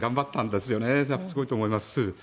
だからすごいと思います。